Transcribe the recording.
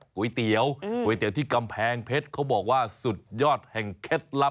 ก๋วยเตี๋ยวก๋วยเตี๋ยวที่กำแพงเพชรเขาบอกว่าสุดยอดแห่งเคล็ดลับ